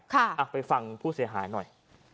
อ่ะไปฟังผู้เสียหายหน่อย